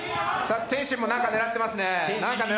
天心も狙ってますね。